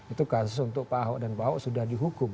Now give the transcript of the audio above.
itu kasus untuk pak ahok dan pak ahok sudah dihukum